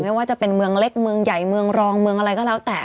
ไม่ว่าจะเป็นเมืองเล็กเมืองใหญ่เมืองรองเมืองอะไรก็แล้วแต่